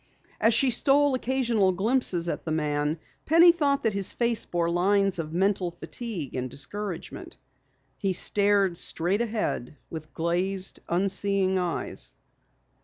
As she stole occasional glimpses at the man, Penny thought that his face bore lines of mental fatigue and discouragement. He stared straight ahead with glazed, unseeing eyes.